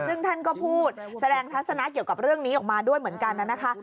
ซึ่งท่านก็พูดแสดงทัศนะเกี่ยวกับเรื่องนี้ออกมาด้วยเหมือนกันนะคะ